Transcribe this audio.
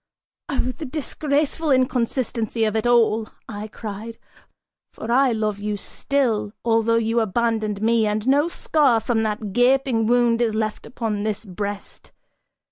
"Oh the disgraceful inconsistency of it all," I cried, "for I love you still, although you abandoned me, and no scar from that gaping wound is left upon this breast!